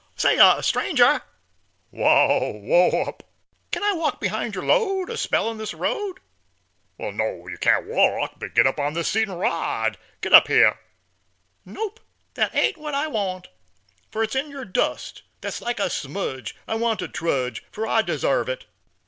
"Say y, stranger!" "Wal, whoap." "Ken I walk behind your load A spell in this road?" "Wal, no, yer can't walk, but git Up on this seat an' ride; git up hyer." "Nop, that ain't what I want, Fur it's in yer dust, that's like a smudge, I want to trudge, for I desarve it."